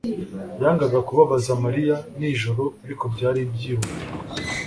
yangaga kubabaza Mariya nijoro ariko byari byihutirwa